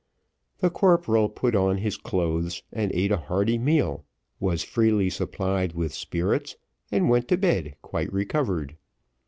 The corporal put on his clothes, and ate a hearty meal, was freely supplied with spirits, and went to bed quite recovered.